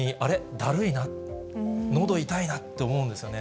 だるいな、のど痛いなと思うんですよね。